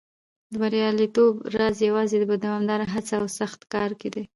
د بریالیتوب راز یوازې په دوامداره هڅه او سخت کار کې دی.